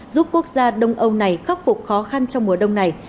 giúp quốc gia đông âu này khắc phục khó khăn trong mùa đông này